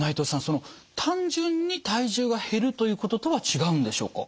その単純に体重が減るということとは違うんでしょうか？